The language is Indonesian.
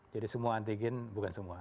jadi semua antigen bukan semua